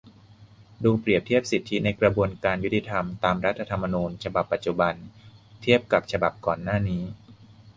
ดูเปรียบเทียบ สิทธิในกระบวนการยุติธรรม ตาม รัฐธรรมนูญ ฉบับปัจจุบัน เทียบกับฉบับก่อนหน้านี้